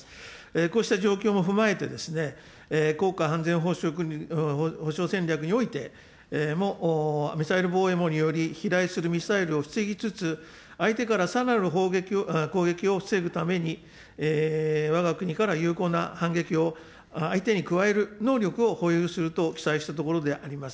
こうした状況も踏まえて、国家安全保障戦略においても、ミサイル防衛飛来するミサイルを防ぎつつ、相手からさらなる攻撃を防ぐために、わが国から有効な反撃を相手に加える能力を保有すると記載したところであります。